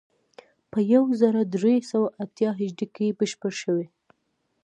په یو زر درې سوه اتیا هجري کې بشپړ شوی.